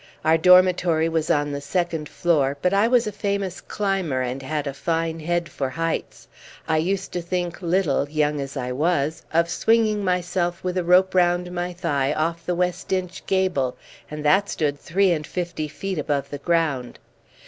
Our dormitory was on the second floor, but I was a famous climber, and had a fine head for heights. I used to think little, young as I was, of swinging myself with a rope round my thigh off the West Inch gable, and that stood three and fifty feet above the ground.